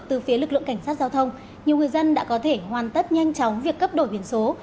từ phía lực lượng cảnh sát giao thông nhiều người dân đã có thể hoàn tất nhanh chóng việc cấp đổi biển số